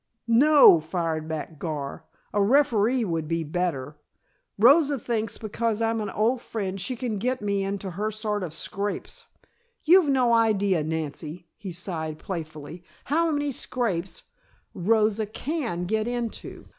"No," fired back Gar, "a referee would be better. Rosa thinks because I'm an old friend she can get me into her sort of scrapes. You've no idea, Nancy," he sighed playfully, "how many scrapes Rosa can get into."